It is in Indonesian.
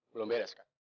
belum beres kan